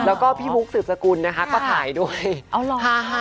เพราะว่าพี่บุ๊คศึกสกุลนะคะก็ถ่ายด้วย